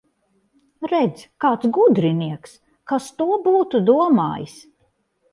Redz, kāds gudrinieks! Kas to būtu domājis!